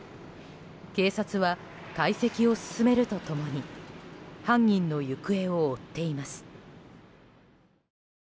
警察は解析を進めると共に犯人の行方を追っています。